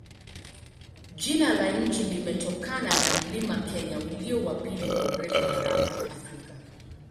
Jina la nchi limetokana na mlima Kenya, ulio wa pili kwa urefu barani Afrika.